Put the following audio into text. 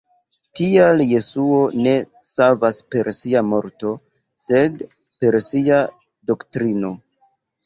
Tial Jesuo ne savas per sia morto, sed per sia doktrino.